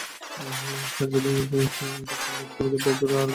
আর যদি পারো, ইউনিকর্ন ল্যাম্পগুলোকে বের কোরো আর বার্থডে বেলুন রি-স্টক কোরো।